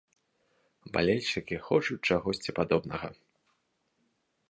Балельшчыкі хочуць чагосьці падобнага.